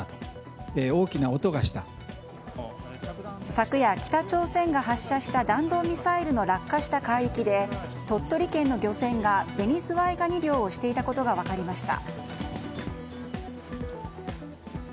昨夜、北朝鮮が発射した弾道ミサイルが落下した海域で、鳥取県の漁船がベニズワイガニ漁をしていたことが分かりました。